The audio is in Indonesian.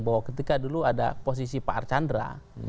bahwa ketika dulu ada posisi pak archandra